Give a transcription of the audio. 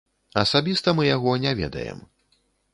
Асабіста мы яго не ведаем.